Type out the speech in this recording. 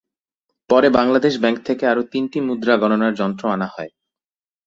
পরে বাংলাদেশ ব্যাংক থেকে আরও তিনটি মুদ্রা গণনার যন্ত্র আনা হয়।